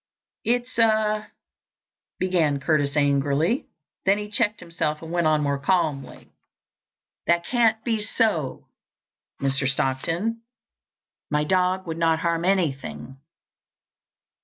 "It's a—" began Curtis angrily. Then he checked himself and went on more calmly. "That can't be so, Mr. Stockton. My dog would not harm anything."